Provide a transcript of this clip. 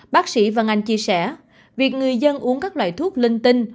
bác sĩ văn anh chia sẻ việc người dân uống các loại thuốc linh tinh